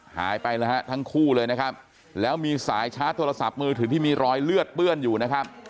หายไปแล้วฮะทั้งคู่เลยนะครับแล้วมีสายชาร์จโทรศัพท์มือถือที่มีรอยเลือดเปื้อนอยู่นะครับ